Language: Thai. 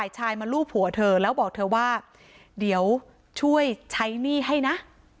ชายมาลูบหัวเธอแล้วบอกเธอว่าเดี๋ยวช่วยใช้หนี้ให้นะ